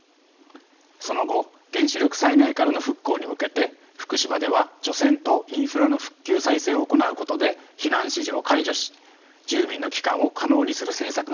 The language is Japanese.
その後原子力災害からの復興に向けて福島では除染とインフラの復旧・再生を行うことで避難指示を解除し住民の帰還を可能にする政策が行われてきました。